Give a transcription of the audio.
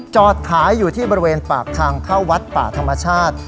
จอดขายอยู่ที่บริเวณปากทางเข้าวัดป่าธรรมชาติ